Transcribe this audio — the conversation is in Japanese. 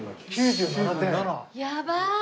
やばーい！